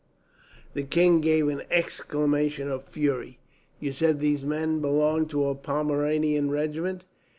The king gave an exclamation of fury. "You said these men belonged to a Pomeranian regiment.